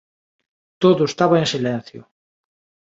Todo estaba en silencio.